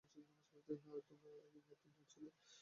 আর তোমার গ্যাংয়ের তিনজন ছেলে।